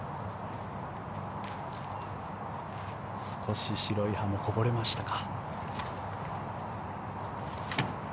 少し白い歯もこぼれましたか。